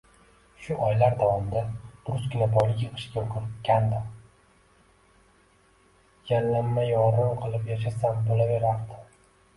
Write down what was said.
Shu oylar davomida durustgina boylik yig`ishga ulgurgandim, yallama-yorim qilib yashasam bo`laverardi